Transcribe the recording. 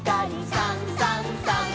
「さんさんさん」